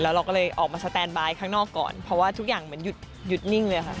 เราก็เลยออกมาสแตนบายข้างนอกก่อนเพราะว่าทุกอย่างเหมือนหยุดนิ่งเลยค่ะ